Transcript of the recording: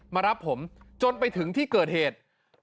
มารับผมจนไปถึงที่เกิดเหตุ